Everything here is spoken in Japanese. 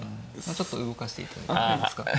ちょっと動かしていただいていいですか？